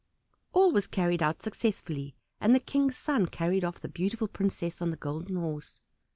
All was carried out successfully, and the King's son carried off the beautiful princess on the Golden Horse.